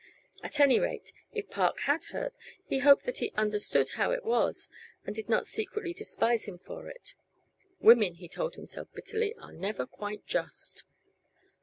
At any rate, if Park had heard, he hoped that he understood how it was and did not secretly despise him for it. Women, he told himself bitterly, are never quite just.